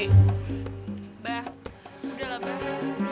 udah lah pak